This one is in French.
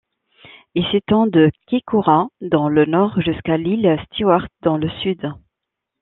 Il s'étend de Kaikoura dans le nord jusqu'à l'île Stewart dans le sud.